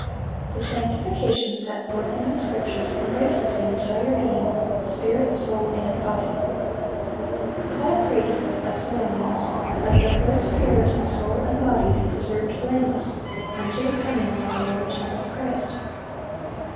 The sanctification set forth in the Scriptures embraces the entire being,—spirit, soul, and body. Paul prayed for the Thessalonians, that their "whole spirit and soul and body be preserved blameless unto the coming of our Lord Jesus Christ."